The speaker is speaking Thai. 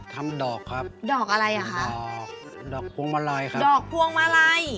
ทำดอกครับดอกพวงมาลัยค่ะดอกพวงมาลัย